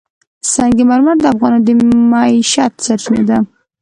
سنگ مرمر د افغانانو د معیشت سرچینه ده.